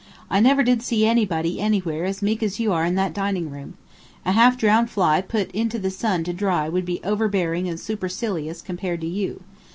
I never did see anybody anywhere as meek as you are in that dining room. A half drowned fly put into the sun to dry would be overbearing and supercilious compared to you.